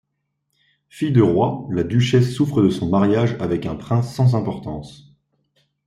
Fille de roi, la duchesse souffre de son mariage avec un prince sans importance.